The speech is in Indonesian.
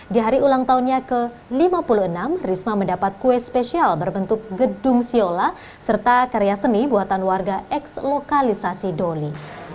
di hari ulang tahunnya ke lima puluh enam risma mendapat kue spesial berbentuk gedung siola serta karya seni buatan warga eks lokalisasi doli